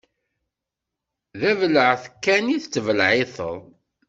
D abelεeṭ kan i ttbelεiṭen.